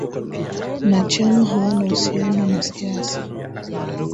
na chama hawana uhusiano na siasa